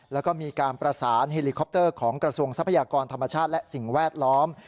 แล้วก็มีการประสานเฮลิคอปเตอร์ของกระทรวงทรัพยากรธรรมชาติและสิ่งแวดล้อม